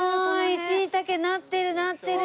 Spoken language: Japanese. しいたけなってるなってる！